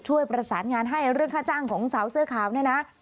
ช่วยประสานงานให้เรื่องค่าจ้างของสาวเสื้อขาวเนี่ยนะ